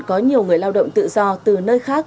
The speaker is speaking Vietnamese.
có nhiều người lao động tự do từ nơi khác